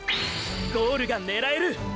ゴールが狙える！！